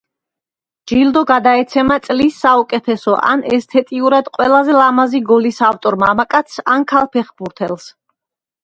ჯილდო გადაეცემა წლის საუკეთესო და ესთეტიურად ყველაზე ლამაზი გოლის ავტორ მამაკაცს ან ქალ ფეხბურთელს.